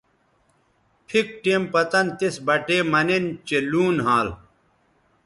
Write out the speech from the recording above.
پِھک ٹیم پتَن تِس بٹے مہ نِن چہء لوں نھال